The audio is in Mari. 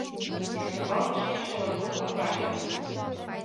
Ӱстембалне шинчыше латкок коркаже